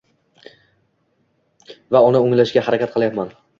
va uni o‘nglashga harakat qilyapman.